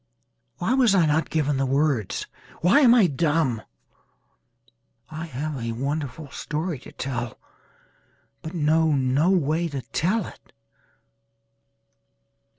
Why was I not given words? Why am I dumb? I have a wonderful story to tell but know no way to tell it.